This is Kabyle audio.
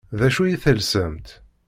D acu i telsamt?